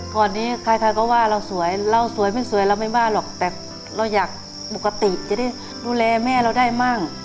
ก่อนนี้ใครก็ว่าเราสวยเราสวยไม่สวยเราไม่บ้าหรอกแต่เราอยากปกติจะได้ดูแลแม่เราได้มั่ง